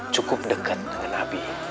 cukup dekat dengan abi